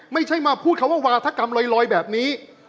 ไม่ใช่มาพูดคำว่าวาธกรรมลอยแบบนี้